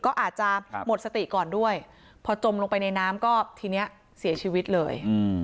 ก็อาจจะหมดสติก่อนด้วยพอจมลงไปในน้ำก็ทีนี้เสียชีวิตเลย